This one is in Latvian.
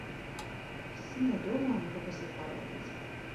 Es nedomāju, ka tas ir pareizi!